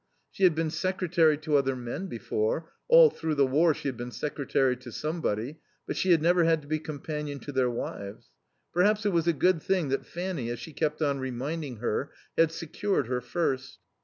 She had been secretary to other men before; all through the war she had been secretary to somebody, but she had never had to be companion to their wives. Perhaps it was a good thing that Fanny, as she kept on reminding her, had "secured" her first.